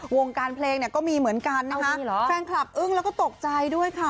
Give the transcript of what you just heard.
วงการเพลงเนี่ยก็มีเหมือนกันนะคะแฟนคลับอึ้งแล้วก็ตกใจด้วยค่ะ